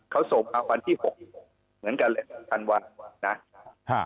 เขาส่งมาวันที่๖เหมือนกันแหละธันวานะ